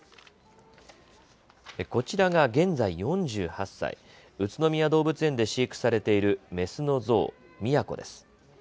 こちらが現在４８歳、宇都宮動物園で飼育されているメスのゾウ、宮子です。